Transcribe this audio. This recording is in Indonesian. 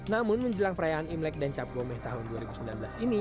namun menjelang perayaan imlek dan cap gomeh tahun dua ribu sembilan belas ini